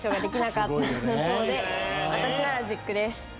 私なら絶句です。